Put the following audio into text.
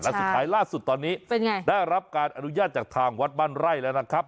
และสุดท้ายล่าสุดตอนนี้เป็นไงได้รับการอนุญาตจากทางวัดบ้านไร่แล้วนะครับ